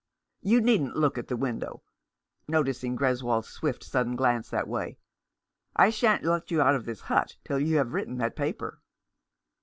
You needn't look at the window — noticing Greswold's swift, sudden glance that way. "I shan't let you out of this hut till you have written that paper."